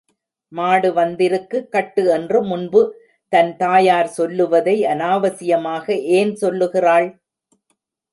மாடு வந்திருக்கு கட்டு என்று முன்பு தன் தாயார் சொல்லுவதை அனாவசியமாக ஏன் சொல்லுகிறாள்?